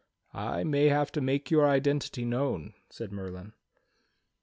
"I may have to make your identity known," said Merlin.